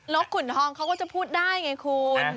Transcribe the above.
กขุนทองเขาก็จะพูดได้ไงคุณ